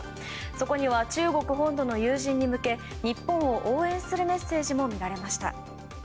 そこには、中国本土の友人に向け日本を応援するメッセージも見られました。